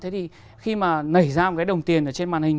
thế thì khi mà nảy ra một cái đồng tiền ở trên màn hình